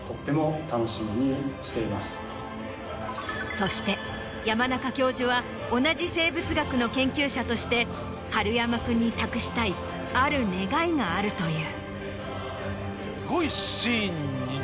そして山中教授は同じ生物学の研究者として春山君に託したいある願いがあるという。